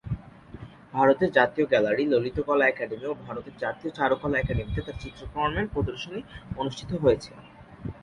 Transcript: ভারতের জাতীয় gallery, Lalit Kala academy ও ভারতের জাতীয় চারুকলা একাডেমীতে তার চিত্রকর্মের প্রদর্শনী অনুষ্ঠিত হয়েছে।